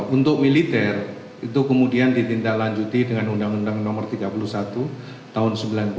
untuk militer itu kemudian ditindaklanjuti dengan undang undang nomor tiga puluh satu tahun sembilan puluh tujuh